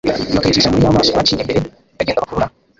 bakayicisha muri ya maso baciye mbere bagenda bakurura.